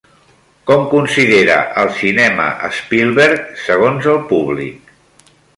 Com considera el cinema Spielberg segons el públic?